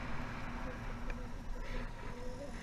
আপনি যেখানে আছেন সেইখানেই অবিচলিত হইয়া থাকিবেন এই আমি চাই।